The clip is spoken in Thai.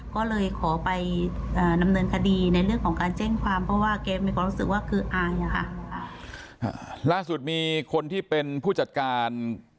ก็เลยขอไปนำเนินคดีในเรื่องของการเจ๊งความ